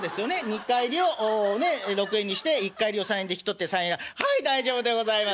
二荷入りを６円にして一荷入りを３円で引き取って３円はい大丈夫でございます。